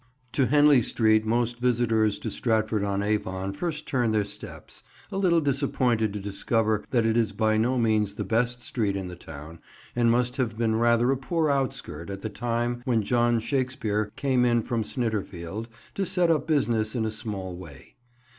TO Henley Street most visitors to Stratford on Avon first turn their steps; a little disappointed to discover that it is by no means the best street in the town and must have been rather a poor outskirt at the time when John Shakespeare came in from Snitterfield, to set up business in a small way.